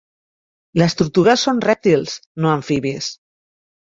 Les tortugues són rèptils, no amfibis.